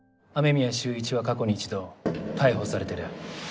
雨宮秀一は過去に一度逮捕されてる。